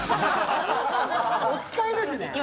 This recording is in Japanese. おつかいですね？